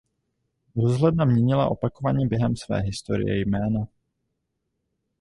Rozhledna měnila opakovaně během své historie jména.